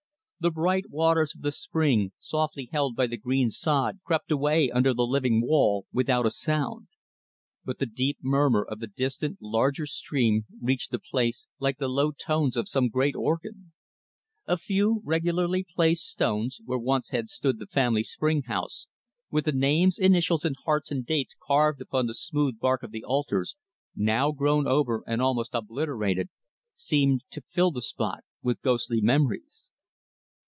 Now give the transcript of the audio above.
The bright waters of the spring, softly held by the green sod, crept away under the living wall, without a sound; but the deep murmur of the distant, larger stream, reached the place like the low tones of some great organ. A few regularly placed stones, where once had stood the family spring house; with the names, initials, hearts and dates carved upon the smooth bark of the alders now grown over and almost obliterated seemed to fill the spot with ghostly memories.